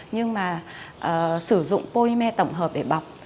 nhưng mà sử dụng polymer tổng hợp để bọc